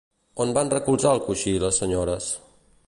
On van recolzar el coixí les senyores?